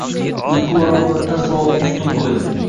Uyqu va rohatdan savobni ustun qo`ydi